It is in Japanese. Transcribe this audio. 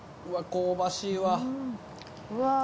うわ香ばしいわ。